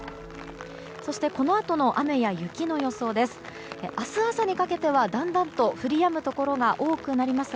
そしてこのあとの雨や雪の予想です。